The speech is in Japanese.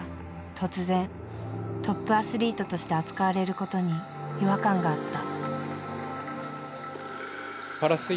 突然トップアスリートとして扱われることに違和感があった。